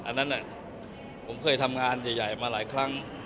อันนั้นผมเคยทำงานใหญ่มาหลายครั้ง